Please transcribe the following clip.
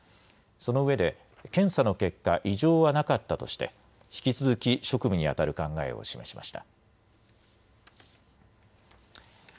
そのうえで検査の結果、異常はなかったとして、引き続き職務にあたる考えを示しました。